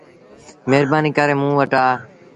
مهربآنيٚ ڪري موݩ وٽ آ۔